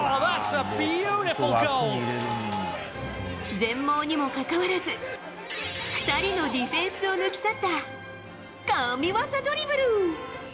全盲にもかかわらず２人のディフェンスを抜き去った神技ドリブル。